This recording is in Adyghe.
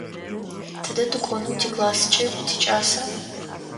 Тыдэ тыкӏонэу тикласскӏэ тикӏаса?